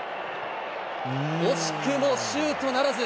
惜しくもシュートならず。